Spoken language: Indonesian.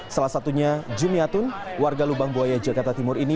salah satunya jumiatun warga lubang buaya jakarta timur ini